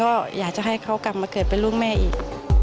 ก็อยากจะให้เขากลับมาเกิดเป็นลูกแม่อีก